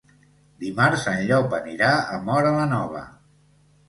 Dimarts en Llop anirà a Móra la Nova.